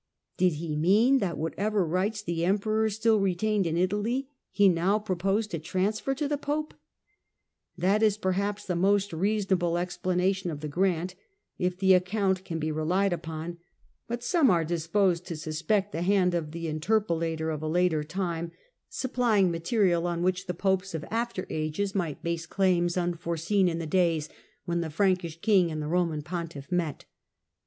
Did he mean that whatever rights the emperors still retained in Italy he now proposed to transfer to the Pope ? That is perhaps the most reason able explanation of the grant, if the account can be relied upon ; but some are disposed to suspect the hand of the interpolator of a later time, supplying material CHARLES THE GREAT AND LOMBARD KINGDOM 153 on which the Popes of after ages might base claims unforeseen in the days when the Frankish king and the Roman pontiff met.